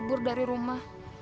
kabur dari rumah